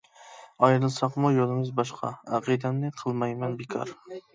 ئايرىلساقمۇ يولىمىز باشقا، ئەقىدەمنى قىلمايمەن بىكار.